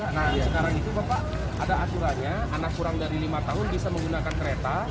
nah sekarang itu bapak ada aturannya anak kurang dari lima tahun bisa menggunakan kereta